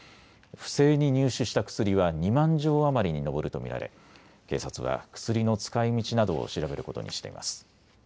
不正に入手した薬は２万錠余りに上ると見られ警察は薬の使いみちなどを調べることにしています。